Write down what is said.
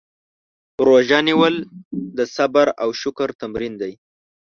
روژه نیول د صبر او شکر تمرین دی.